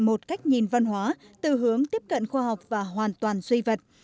một cách nhìn văn hóa tư hướng tiếp cận khoa học và hoàn toàn suy vật